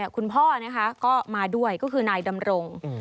คุณพ่อก็มาด้วยก็คือนายดำรง